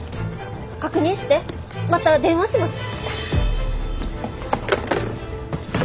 確認してまた電話します。